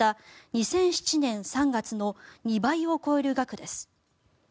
２００７年３月の２倍を超える額です。